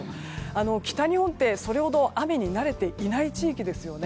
北日本ってそれほど雨に慣れていない地域ですよね。